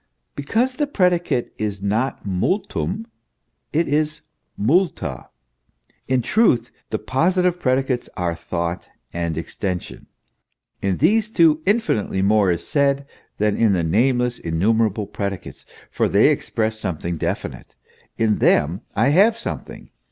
Because the predicate is not multum, it is multa. In truth, the positive pre dicates are Thought and Extension. In these two, infinitely more is said than in the nameless innumerable predicates; for they express something definite, in them I have something.